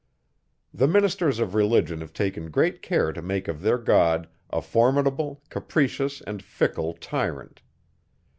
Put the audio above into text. The ministers of religion have taken great care to make of their God, a formidable, capricious, and fickle tyrant.